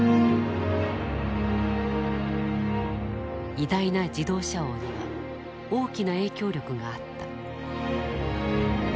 偉大な自動車王には大きな影響力があった。